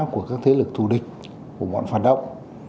của các thế lực thù địch của bọn phản động